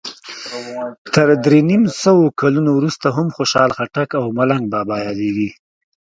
تر درې نیم سوو کلونو وروسته هم خوشال خټک او ملنګ بابا یادیږي.